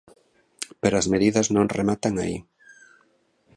Pero as medidas non rematan aí.